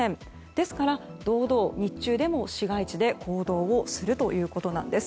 ですから、堂々日中でも市街地で行動をするということなんです。